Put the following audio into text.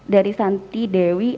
dari santi dewi